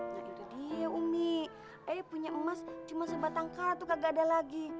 nah itu dia umi ayah punya emas cuma sebatang kartu kagak ada lagi